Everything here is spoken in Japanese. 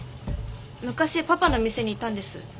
昔パパの店にいたんです。